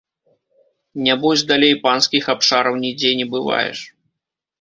Нябось далей панскіх абшараў нідзе не бываеш.